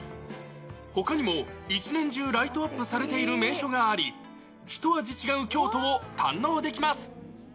ほかにも一年中ライトアップされている名所があり、ひと味違う京都を堪能できます。